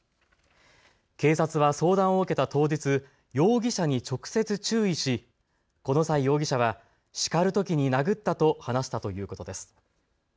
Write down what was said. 警察は相談を受けた当日、容疑者に直接注意し、この際、容疑者はしかるときに殴ったと話したということです。